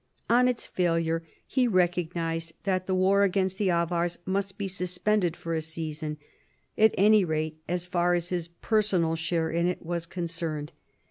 On its failure he recognized that the war against the Avars must be suspended for a season, at any rate as far as his personal share in it was concerned.